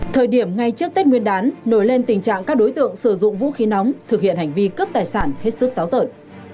thời điểm ngay trước tết nguyên đán nổi lên tình trạng các đối tượng sử dụng vũ khí nóng thực hiện hành vi cướp tài sản hết sức táo tợn